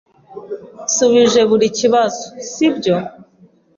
Nasubije buri kibazo, sibyo?